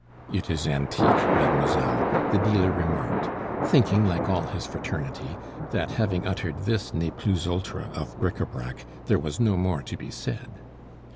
"It is antique, mademoiselle," the dealer remarked, thinking, like all his fraternity, that, having uttered this ne plus ultra of bric a brac, there was no more to be said.